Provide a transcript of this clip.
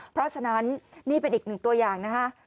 เพราะฉะนั้นนี่เป็นอีกหนึ่งตัวอย่างนะคะ